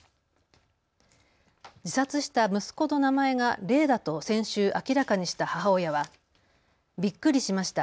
自殺した息子の名前が怜だと先週明らかにした母親はびっくりしました。